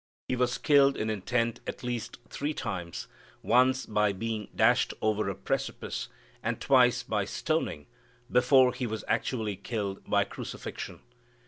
He was killed in intent at least three times, once by being dashed over a precipice, and twice by stoning, before He was actually killed by crucifixion.